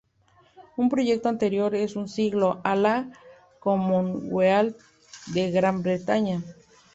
Un proyecto anterior en un siglo a la Commonwealth de Gran Bretaña.